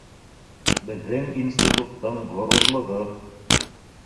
— Беҙҙең институттың ғорурлығы